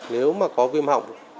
nếu có viêm họng